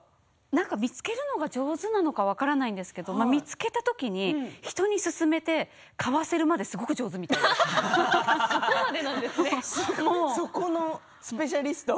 見つけるのが上手なのか分からないんですけど見つけた時に人にすすめて買わせるまでそこのスペシャリスト。